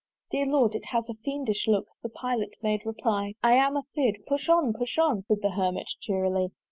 "Dear Lord! it has a fiendish look" (The Pilot made reply) "I am a fear'd. "Push on, push on!" Said the Hermit cheerily.